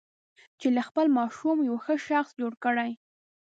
چې له خپل ماشوم یو ښه شخص جوړ کړي.